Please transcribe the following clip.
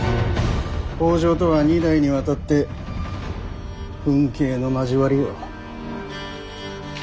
北条とは二代にわたって刎頸の交わりよ。